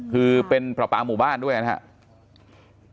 คือเป็นประปาหมู่บ้านด้วยนะครับ